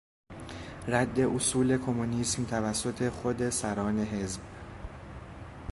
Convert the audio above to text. رد اصول کمونیسم توسط خود سران حزب